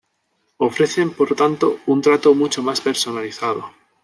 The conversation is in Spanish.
Ofrecen, por tanto, un trato mucho más personalizado.